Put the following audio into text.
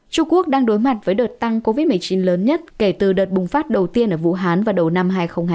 trung quốc đang đối mặt với đợt tăng covid một mươi chín lớn nhất kể từ đợt bùng phát đầu tiên ở vũ hán vào đầu năm hai nghìn hai mươi